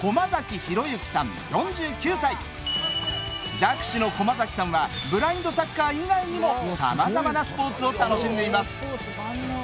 弱視の駒崎さんはブラインドサッカー以外にもさまざまなスポーツを楽しんでいます。